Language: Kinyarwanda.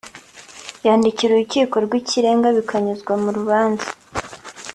yandikira Urukiko rw’ Ikirenga bikanyuzwa mu rubanza